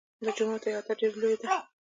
د جومات احاطه ډېره لویه ده.